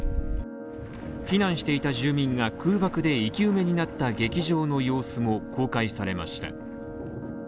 避難していた住民が空爆で生き埋めになった劇場の様子も公開されました。